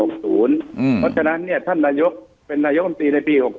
เพราะฉะนั้นเนี่ยท่านละยกเป็นละยกนตรีในปี๖๐